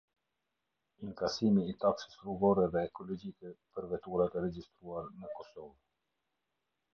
Inkasimi i Taksës rrugore dhe Ekologjike për veturat e regjistruar në Kosovë.